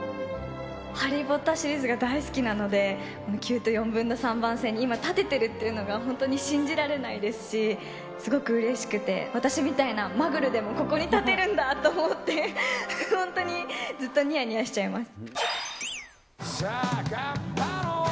ハリー・ポッターシリーズが大好きなので、９と４分の３番線に今、立ててるっていうのが、本当に信じられないですし、すごくうれしくて、私みたいなマグルでもここに立てるんだと思って、本当にずっとにやにやしちゃいます。